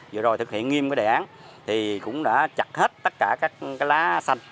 vừa rồi thực hiện nghiêm cái đề án thì cũng đã chặt hết tất cả các cái lá xanh